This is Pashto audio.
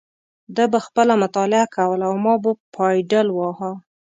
ده به خپله مطالعه کوله او ما به پایډل واهه.